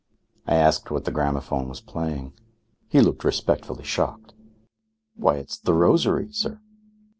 I asked what the gramophone was playing. He looked respectfully shocked. "Why, it's 'The Rosary,' sir."